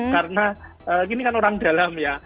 karena ini kan orang dalam ya